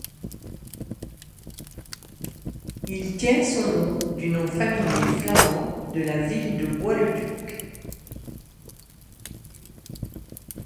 Il tient son nom du nom familier flamand de la ville de Bois-le-Duc.